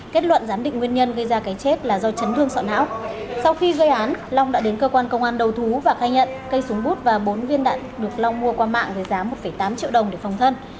kết luận giám định nguyên nhân gây ra cái chết là do chấn thương sọ não sau khi gây án long đã đến cơ quan công an đầu thú và khai nhận cây súng bút và bốn viên đạn được long mua qua mạng với giá một tám triệu đồng để phòng thân